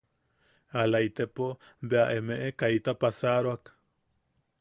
Ala itepo... bea emeʼe kaita pasaroak.